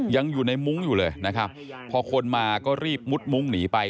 ยังอยู่ในมุ้งอยู่เลยนะครับพอคนมาก็รีบมุดมุ้งหนีไป